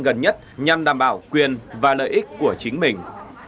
gần nhất nhằm đảm bảo quyền và lợi ích của chính mình